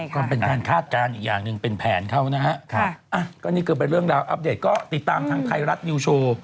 ก็เป็นการคาดการณ์อีกอย่างหนึ่งเป็นแผนเขานะฮะก็นี่ก็เป็นเรื่องราวอัปเดตก็ติดตามทางไทยรัฐนิวโชว์